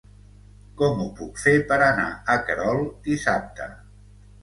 Com ho puc fer per anar a Querol dissabte?